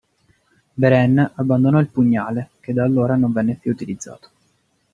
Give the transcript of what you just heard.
Beren abbandonò il pugnale, che da allora non venne più utilizzato.